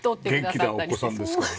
元気なお子さんですからね。